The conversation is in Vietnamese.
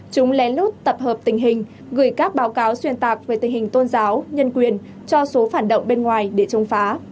chúng lén lút tập hợp tình hình gửi các báo cáo xuyên tạc về tình hình tôn giáo nhân quyền cho số phản động bên ngoài để chống phá